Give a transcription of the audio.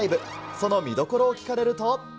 その見どころを聞かれると。